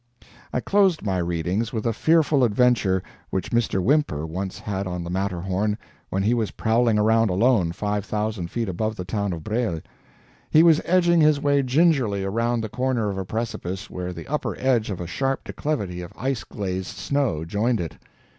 I closed my readings with a fearful adventure which Mr. Whymper once had on the Matterhorn when he was prowling around alone, five thousand feet above the town of Breil. He was edging his way gingerly around the corner of a precipice where the upper edge of a sharp declivity of ice glazed snow joined it.